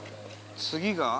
次が。